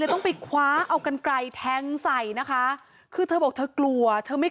ต้องไปคว้าเอากันไกลแทงใส่นะคะคือเธอบอกเธอกลัวเธอไม่